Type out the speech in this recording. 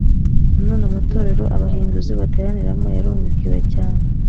Nanone amatorero abahinduzi bateraniramo yarungukiwe cyane